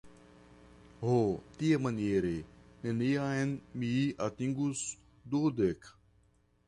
Ho, tiamaniere neniam mi atingus dudek!